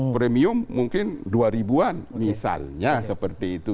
premium mungkin dua ribu an misalnya seperti itu